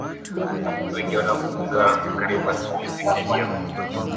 wengi wanaoambukizwa hawafi karibu asilimia pekee ndio hufa